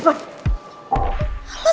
makasih ya udah nama hari ini